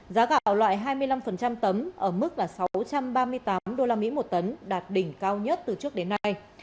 giá gạo loại hai mươi năm tấm ở mức là sáu trăm ba mươi tám usd một tấn đạt đỉnh cao nhất từ trước đến nay